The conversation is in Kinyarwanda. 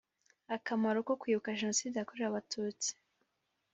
Akamaro ko kwibuka Jenoside yakorewe Abatutsi